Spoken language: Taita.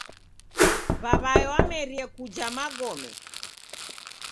W'aw'ae wamerie kuja magome.